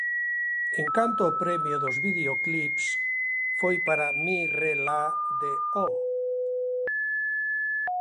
En canto ao premio dos videoclips, foi para "Mi Re La" de Oh!